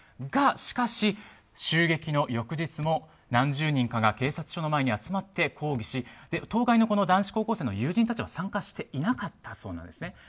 がしかし、襲撃の翌日も何十人かが警察署の前に集まって抗議し当該の男子高校生の友人たちは参加していなかったそうなんです。